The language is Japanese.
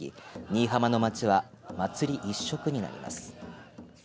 新居浜の町は祭り一色になります。